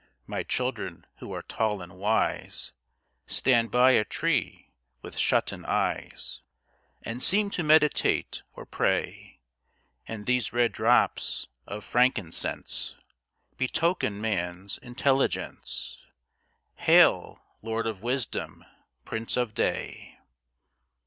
My children, who are tall and wise, Stand by a tree with shutten eyes And seem to meditate or pray. And these red drops of frankincense Betoken man's intelligence. Hail, Lord of Wisdom, Prince of Day!